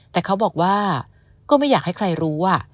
แต่เขาบอกว่าก็ไม่อยากให้ใครรู้